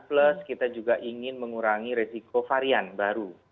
plus kita juga ingin mengurangi resiko varian baru